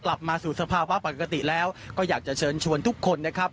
กลับมาสู่สภาวะปกติแล้วก็อยากจะเชิญชวนทุกคนนะครับ